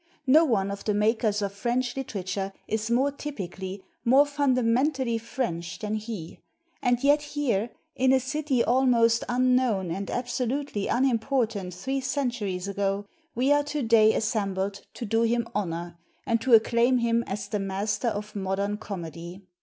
No one of the makers of French literature is more typically, more fundamentally French than he; and yet here, in a city almost unknown and absolutely unimportant three centuries ago, we are today assembled to do him honor and to acclaim him as the master of modern comedy.